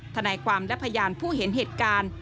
ทนายความและพยานผู้เห็นเหตุการณ์